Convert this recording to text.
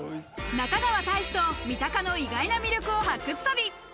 中川大志と三鷹の意外な魅力を発掘旅。